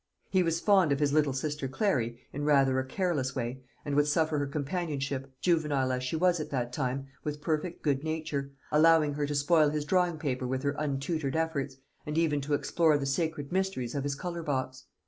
He was fond of his little sister Clary, in rather a careless way, and would suffer her companionship, juvenile as she was at that time, with perfect good nature, allowing her to spoil his drawing paper with her untutored efforts, and even to explore the sacred mysteries of his colour box.